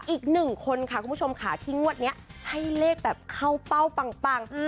อีกหนึ่งคนค่ะคุณผู้ชมค่ะที่งวดนี้ให้เลขแบบเข้าเป้าปัง